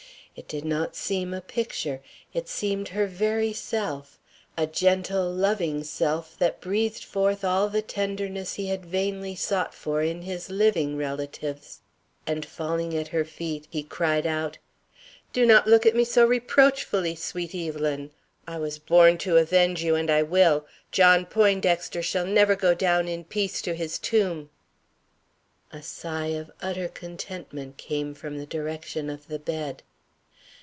It did not seem a picture, it seemed her very self, a gentle, loving self that breathed forth all the tenderness he had vainly sought for in his living relatives; and falling at her feet, he cried out: "Do not look at me so reproachfully, sweet Evelyn. I was born to avenge you, and I will. John Poindexter shall never go down in peace to his tomb." A sigh of utter contentment came from the direction of the bed.